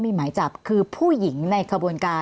พี่เรื่องมันยังไงอะไรยังไง